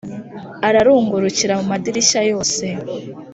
ararungurukira mu madirishya yose